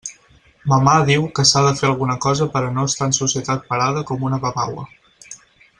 Mamà diu que s'ha de fer alguna cosa per a no estar en societat parada com una babaua.